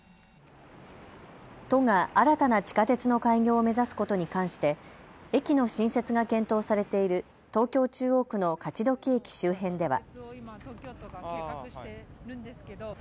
都が新たな地下鉄の開業を目指すことに関して駅の新設が検討されている東京中央区の勝どき駅周辺では。